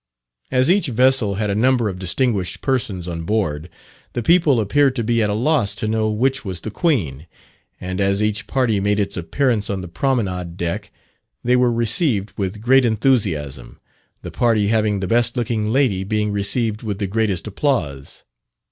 As each vessel had a number of distinguished persons on board, the people appeared to be at a loss to know which was the Queen; and as each party made its appearance on the promenade deck, they were received with great enthusiasm, the party having the best looking lady being received with the greatest applause.